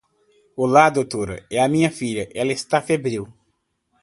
Olá Doutora, é a minha filha, ela está febril.